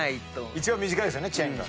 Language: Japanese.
一番短いですよね「チェン！」が。